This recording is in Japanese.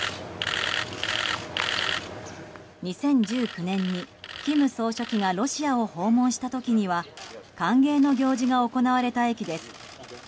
２０１９年に金総書記がロシアを訪問した時には歓迎の行事が行われた駅です。